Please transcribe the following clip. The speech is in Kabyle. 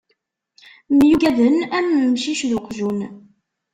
Myuggaden, am umcic d uqjun.